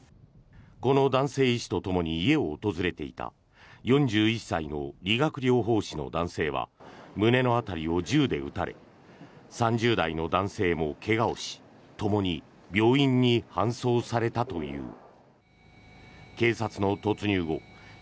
この男性医師とともに家を訪れていた４１歳の理学療法士の男性は胸の辺りを銃で撃たれ３０代の男性も怪我をしともに病院に搬送されたという。